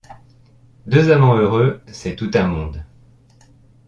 Deux amants heureux, c’est tout un monde !